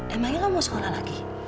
emangnya lo mau sekolah lagi